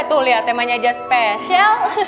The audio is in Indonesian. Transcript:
tuh lihat temanya aja spesial